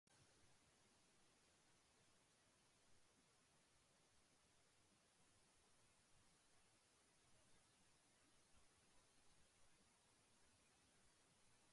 In this position, Forgarty cracked down of fraudulent recipients of unemployment benefits.